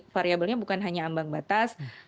variabelnya bukan hanya ambang batas